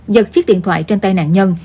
giật chiếc điện thoại trên tay nạn nhân